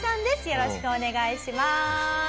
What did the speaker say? よろしくお願いします。